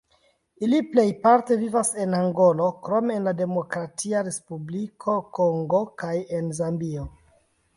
Ili plejparte vivas en Angolo, krome en la Demokratia Respubliko Kongo kaj en Zambio.